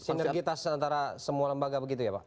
sinergitas antara semua lembaga begitu ya pak